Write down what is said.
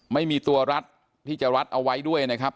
ไม่มีตัวรัดที่จะรัดเอาไว้ด้วยนะครับ